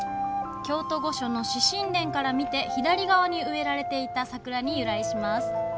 京都御所の紫宸殿から見て左側に植えられていた桜に由来します。